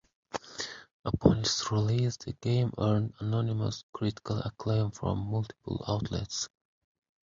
Upon its release, the game earned unanimous critical acclaim from multiple outlets.